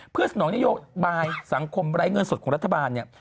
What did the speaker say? เพื่อสนองนโยบายสังคมไร้เงินสดของรัฐบาลเนี่ย